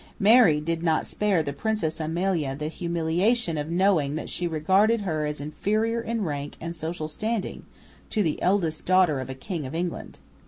Mary did not spare the Princess Amalia the humiliation of knowing that she regarded her as inferior in rank and social standing to the eldest daughter of a King of England.